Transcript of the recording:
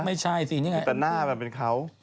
เพราะหน้ามันเป็นเขา